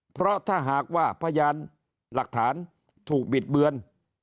เพราะถ้าหากว่าพยานหลักฐานถูกบิดเบือน